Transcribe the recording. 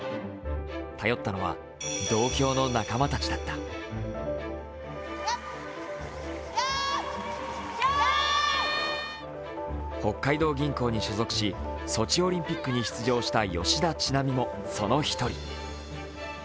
頼ったのは、同郷の仲間たちだった北海道銀行に所属し、ソチオリンピックに出場した吉田知那美もその１人。